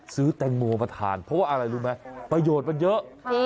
ซื้อแตงโมมาทานเพราะว่าอะไรรู้ไหมประโยชน์มันเยอะ